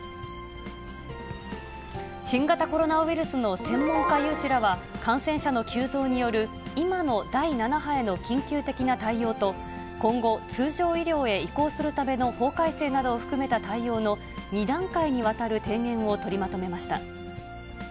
新型コロナウイルスの専門家有志らは、感染者の急増による今の第７波への緊急的な対応と、今後、通常医療へ移行するための法改正などを含めた対応の２段階にわたる提言を取りまとめました。